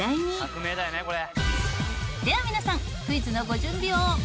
では皆さんクイズのご準備を！